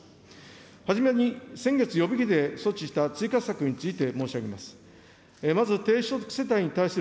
はじめに、先月予備費で措置した追加策について申し上げます。